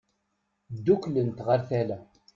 Dduklent ɣer tala.